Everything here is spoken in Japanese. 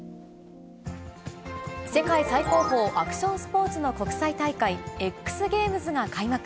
世界最高峰、アクションスポーツの国際大会、エックスゲームズが開幕。